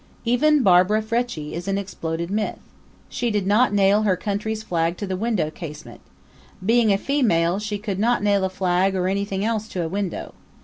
Even Barbara Frietchie is an exploded myth. She did not nail her country's flag to the window casement. Being a female, she could not nail a flag or anything else to a window.